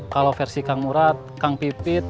kalau versi kang murad kang pipit